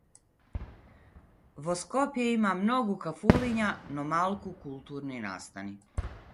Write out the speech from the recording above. Во Скопје има многу кафулиња, но малку културни настани.